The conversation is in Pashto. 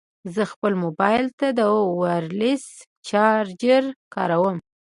زه خپل مبایل ته د وایرلیس چارجر کاروم.